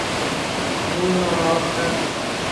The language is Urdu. وہ نا راض ہے